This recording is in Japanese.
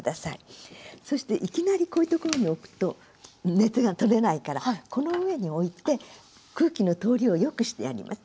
そしていきなりこういうところに置くと熱が取れないからこの上に置いて空気の通りをよくしてやります。